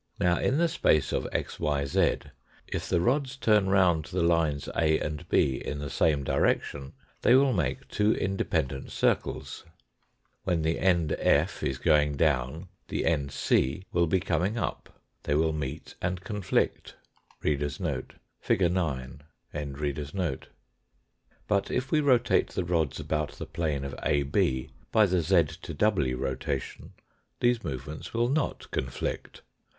Now, in the space of xyz if the rods turn round the lines A and B in the same direction they will make two independent circles. When the end F is goin^ down the end c will be coming up. They will meet and con flict. But if we rotate the rods about the plane of AB by the z to w rotation these move ments will not conflict.